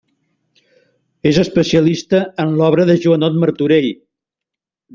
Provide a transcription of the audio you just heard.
És especialista en l'obra de Joanot Martorell.